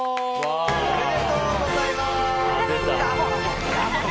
おめでとうございます！